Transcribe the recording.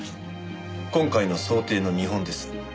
今回の装丁の見本です。